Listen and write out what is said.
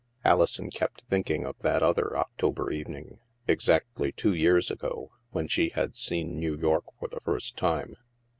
Alison kept thinking of that other October evening, exactly two years ago, when she had seen New York for the first time.